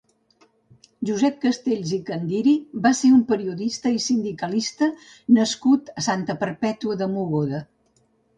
Josep Castells i Candiri va ser un periodista i sindicalista nascut a Santa Perpètua de Mogoda.